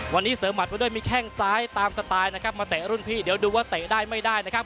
วันนี้เสริมหมัดไว้ด้วยมีแข้งซ้ายตามสไตล์นะครับมาเตะรุ่นพี่เดี๋ยวดูว่าเตะได้ไม่ได้นะครับ